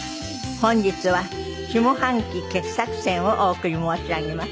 本日は下半期傑作選をお送り申し上げます。